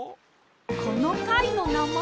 このかいのなまえです！